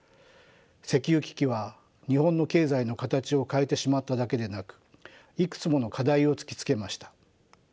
石油危機は日本の経済の形を変えてしまっただけでなくいくつもの課題を突きつけました。